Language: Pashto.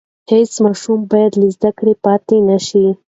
هېڅ ماشوم بايد له زده کړو پاتې نشي.